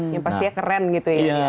yang pastinya keren gitu ya